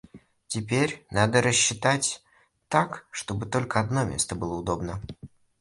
Теперь надо рассчитать так, чтобы только одно место было удобно.